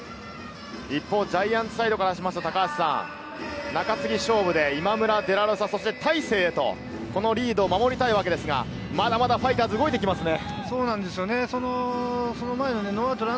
一方、ジャイアンツサイドからしますと高橋さん、中継ぎ勝負で今村、デラロサそして大勢とこのリードを守りたいわけですが、まだまだファイターズ、動いてきますね。